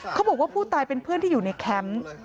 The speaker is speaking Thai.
เขาบอกว่าผู้ตายเป็นเพื่อนที่อยู่ในแคมป์